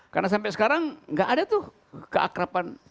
karena sampai sekarang nggak ada tuh keakrapan